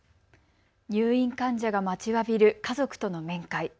入院患者が待ちわびる家族との面会。